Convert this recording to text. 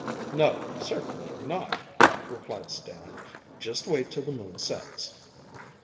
'No, certainly not!' replied Stan. 'Just wait till the moon sets.